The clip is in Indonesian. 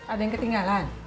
ada yang ketinggalan